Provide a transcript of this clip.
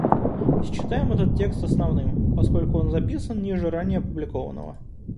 Считаем этот текст основным, поскольку он записан ниже ранее опубликованного.